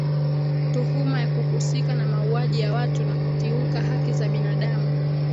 tuhuma ya kuhusika na mauaji ya watu na kukiuka haki za binadamu